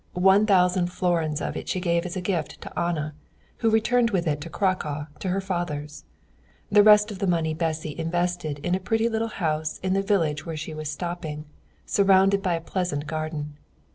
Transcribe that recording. One thousand florins of it she gave as a gift to Anna, who returned with it to Cracow to her father's. The rest of the money Bessy invested in a pretty little house, in the village where she was stopping, surrounded by a pleasant garden.